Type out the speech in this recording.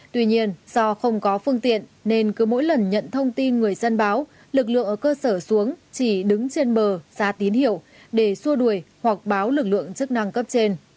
tuy nhiên do không có phương tiện nên cứ mỗi lần nhận thông tin người dân báo lực lượng ở cơ sở xuống chỉ đứng trên bờ ra tín hiệu để xua đuổi hoặc báo lực lượng chức năng cấp trên